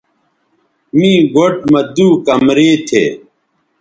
می گوٹھ مہ دُو کمرے تھے